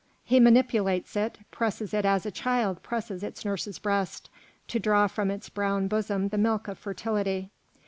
He manipulates it, presses it as a child presses its nurse's breast, to draw from its brown bosom the milk of fertility.